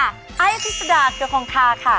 ไอ้อฤทธิสดาเดี๋ยวของค่าค่ะ